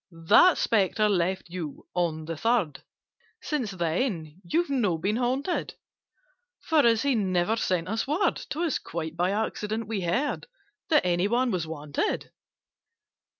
"That Spectre left you on the Third— Since then you've not been haunted: For, as he never sent us word, 'Twas quite by accident we heard That any one was wanted.